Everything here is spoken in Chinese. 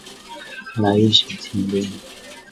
来一首周杰伦的晴天